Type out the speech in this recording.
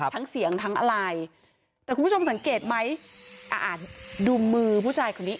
ทั้งเสียงทั้งอะไรแต่คุณผู้ชมสังเกตไหมอ่านดูมือผู้ชายคนนี้